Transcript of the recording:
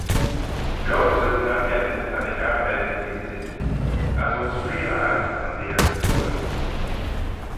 Lioroosyn myrgeddin ta dty harvaant ynsit: as ayns freaylley ad ta leagh vooar.